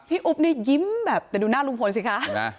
อุ๊บเนี่ยยิ้มแบบแต่ดูหน้าลุงพลสิคะ